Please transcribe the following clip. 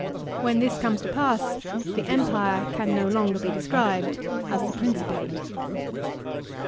When this comes to pass, the Empire can no longer be described as the Principate.